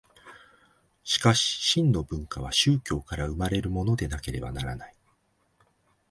しかし真の文化は宗教から生まれるものでなければならない。